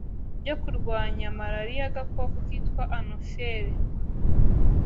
ryo kurwanya Malariya Agakoko kitwa Anophele